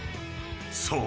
［そう。